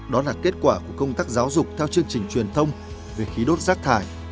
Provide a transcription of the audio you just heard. đó là kết quả của công tác giáo dục theo chương trình truyền thông về khí đốt rác thải